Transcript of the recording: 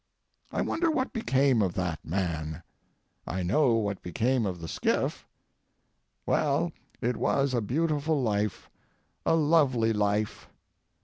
I wonder what became of that man. I know what became of the skiff. Well, it was a beautiful life, a lovely life.